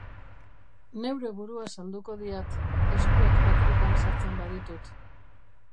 Neure burua salduko diat, eskuak patrikan sartzen baditut.